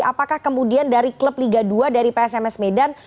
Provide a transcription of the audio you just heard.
apakah kemudian dari klub liga dua dari psms medan